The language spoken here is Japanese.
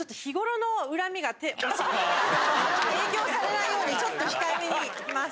影響されないようにちょっと控えめに行きます。